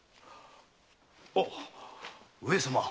上様。